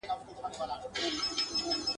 وختونه به تیریږي دا ژوندون به سبا نه وي ..